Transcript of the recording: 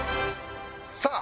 さあ